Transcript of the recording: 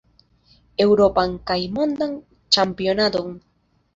Eŭropan kaj Mondan Ĉampionadon.